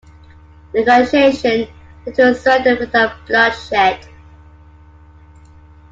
Negotiation led to a surrender without bloodshed.